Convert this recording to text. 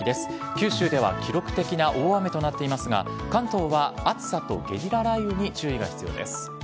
九州では記録的な大雨となっていますが、関東は暑さとゲリラ雷雨に注意が必要です。